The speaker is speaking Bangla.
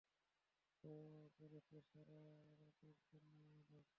বলেছে সারা রাতের জন্যই আমাদের!